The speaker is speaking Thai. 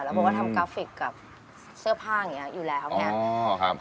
แล้วผมก็ทำกราฟิกกับเชื้อผ้าอยู่แล้วเนี่ยอ๋อครับ